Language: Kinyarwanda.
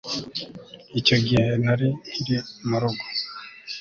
Icyo gihe nari nkiri murugo